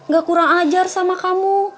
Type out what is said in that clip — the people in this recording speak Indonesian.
gak kurang ajar sama kamu